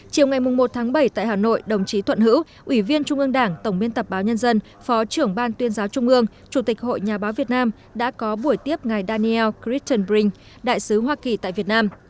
chiều ngày một tháng bảy tại hà nội đồng chí thuận hữu ủy viên trung ương đảng tổng biên tập báo nhân dân phó trưởng ban tuyên giáo trung ương chủ tịch hội nhà báo việt nam đã có buổi tiếp ngày daniel critton brink đại sứ hoa kỳ tại việt nam